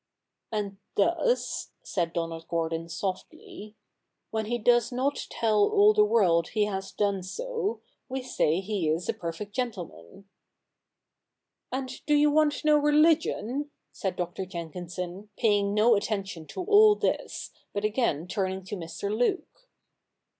And thus," said Donald (lOrdon softly, ' when he does not tell all the world he has done so, we say he is a perfect gentleman.' ' And do you want no religion ?' said Dr. Jenkinson, paying no attention to all this, but again turning to Mr. Luke.